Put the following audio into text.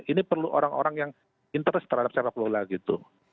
ini perlu orang orang yang interest terhadap sepak bola gitu